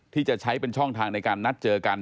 ที่จะใช้เป็นช่องทางในการนัดเจอกัน